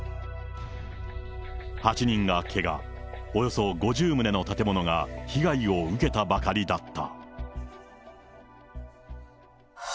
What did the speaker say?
８人がけが、およそ５０棟の建物が被害を受けたばかりだった。